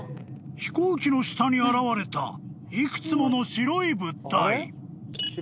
［飛行機の下に現れた幾つもの白い物体］